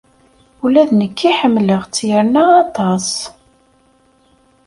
Ula d nekki ḥemmleɣ-tt yerna aṭas!